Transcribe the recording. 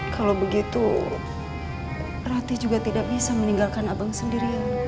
kalau begitu rati juga tidak bisa meninggalkan abang sendirian